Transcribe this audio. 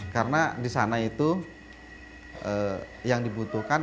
karena di sana itu yang dibutuhkan